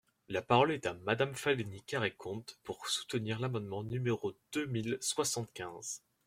La parole est à Madame Fanélie Carrey-Conte, pour soutenir l’amendement numéro deux mille soixante-quinze.